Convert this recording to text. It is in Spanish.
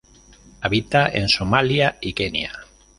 Habita en Somalia y Kenia.